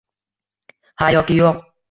– “Ha” yoki “yo‘q”?